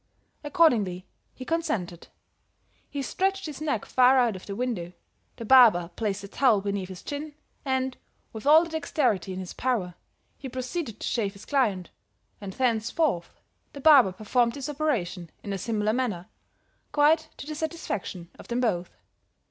Accordingly, he consented; he stretched his neck far out of the window, the barber placed the towel beneath his chin, and, with all the dexterity in his power, he proceeded to shave his client; and thenceforth the barber performed this operation in a similar manner, quite to the satisfaction of them both."